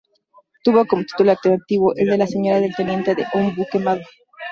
Tuvo como título alternativo el de La señora del intendente de Ombú quemado.